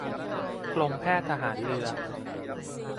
กรมแพทย์ทหารเรือ